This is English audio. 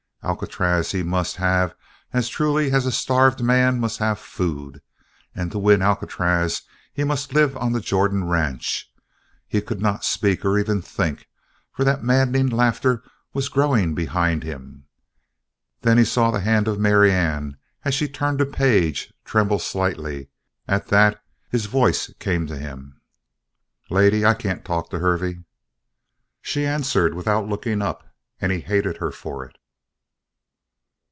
Alcatraz he must have as truly as a starved man must have food; and to win Alcatraz he must live on the Jordan ranch. He could not speak, or even think, for that maddening laughter was growing behind him; then he saw the hand of Marianne, as she turned a page, tremble slightly. At that his voice came to him. "Lady, I can't talk to Hervey." She answered without looking up, and he hated her for it.